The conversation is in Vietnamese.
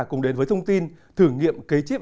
cùng đến với thông tin thử nghiệm cấy chip